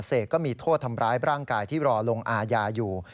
เสกก็มีโทษทำร้ายร่างกายที่รอลงอาญาอยู่